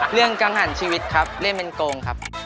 เรื่องกังกรรณ์ชีวิตครับเรียนเป็นโกงครับ